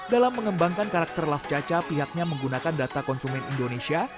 dalam mengembangkan karakter lafcaca pihaknya menggunakan data konsumen indonesia